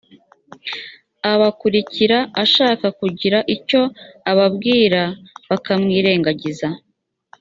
abakurikira ashaka kugira icyo ababwira bakamwirengagiza